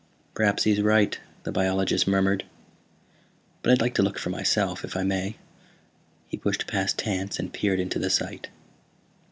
"Perhaps he's right," the biologist murmured. "But I'd like to look for myself, if I may." He pushed past Tance and peered into the sight.